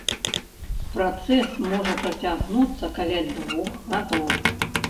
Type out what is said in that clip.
Працэс можа працягнуцца каля двух гадоў.